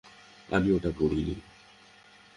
আমি ওটা পড়ি নি।